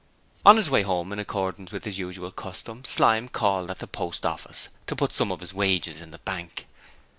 On his way home, in accordance with his usual custom, Slyme called at the Post Office to put some of his wages in the bank.